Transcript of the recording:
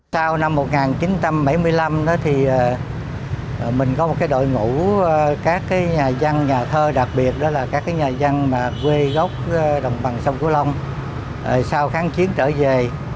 sau năm một nghìn chín trăm bảy mươi năm mình có một đội ngũ các nhà dân nhà thơ đặc biệt các nhà dân quê gốc đồng bằng sông cửu long sau kháng chiến trở về